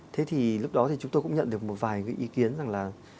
thế thì lúc đó thì chúng tôi cũng nhận được một vài cái ý kiến rằng là